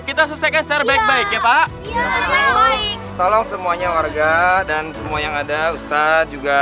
kita selesaikan secara baik baik ya pak tolong semuanya warga dan semua yang ada ustadz juga